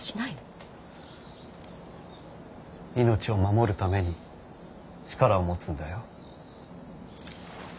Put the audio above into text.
命を守るために力を持つんだよ。